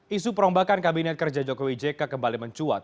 isu perombakan kabinet kerja jokowi jk kembali mencuat